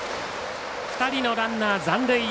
２人のランナー残塁。